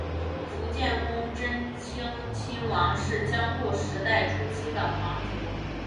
伏见宫贞清亲王是江户时代初期的皇族。